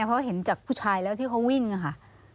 เพราะเห็นจากผู้ชายแล้วที่เขาวิ่งค่ะ